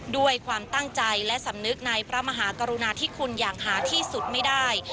ด้วยความตั้งใจและสำนึกในพระมหากรุณาธิคุณอย่างหาที่สุดไม่ได้